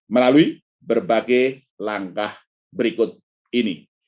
melalui berbagai langkah berikut ini